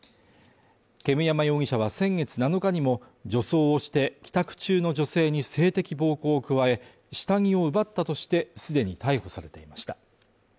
煙山容疑者は先月７日にも、女装をして帰宅中の女性に性的暴行を加え、下着を奪ったとして、既に逮捕されていました。